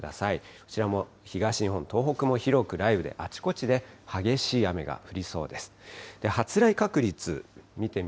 こちらも東日本、東北も広く雷雨であちこちで激しい雨が降りそうです。